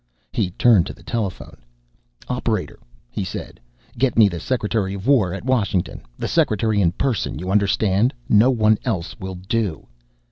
He turned to the telephone. "Operator," he said, "get me the Secretary of War at Washington. The secretary in person, you understand. No one else will do."